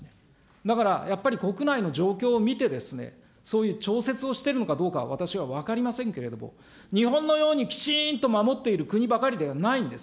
だから、やっぱり国内の状況を見て、そういう調節をしているのかどうかは私は分かりませんけれども、日本のようにきちんと守っている国ばかりではないんです。